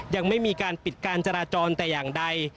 ยังไม่มีการปิดการจราจรแต่อย่างใด